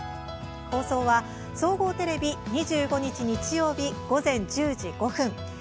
放送は、総合テレビ２５日、日曜日、午前１０時５分。